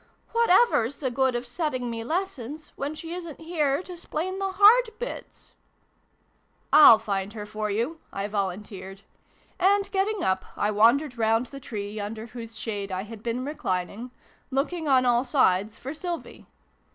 " What ever's the good of setting me lessons, when she isn't here to 'splain the hard bits ?""/'// find her for you !" I volunteered ; and, getting up, I wandered round the tree under i] BRUNO'S LESSONS. 7 whose shade I had been reclining, looking on all sides for Sylvie.